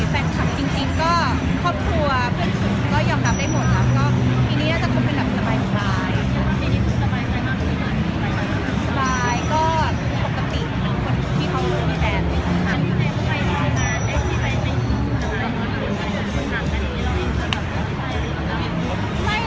เมร์เอ็นเป็นคนที่แบบผักดันช่วยกินไปเรื่อยอะไรอย่างเงี้ย